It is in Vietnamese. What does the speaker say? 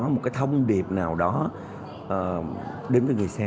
một cái thông điệp nào đó đến với người xem